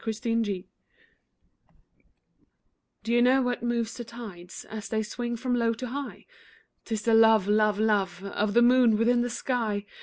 THE REASON Do you know what moves the tides As they swing from low to high? 'Tis the love, love, love, Of the moon within the sky.